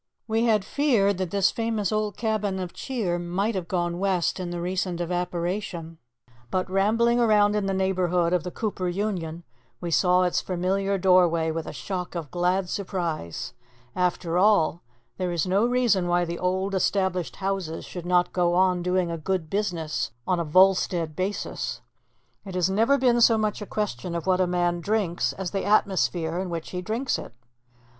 We had feared that this famous old cabin of cheer might have gone west in the recent evaporation; but rambling round in the neighbourhood of the Cooper Union we saw its familiar doorway with a shock of glad surprise. After all, there is no reason why the old established houses should not go on doing a good business on a Volstead basis. It has never been so much a question of what a man drinks as the atmosphere in which he drinks it.